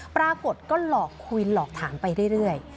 ปรากฏก็หลอกคุยหลอกถามไปเรื่อย